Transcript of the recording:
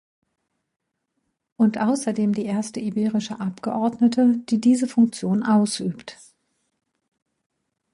Und außerdem die erste iberische Abgeordnete, die diese Funktion ausübt.